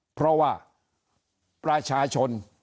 เพราะว่าประชาชน